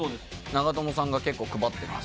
長友さんが結構配ってます。